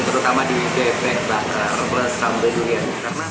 terutama di bebek bakar plus sambal durian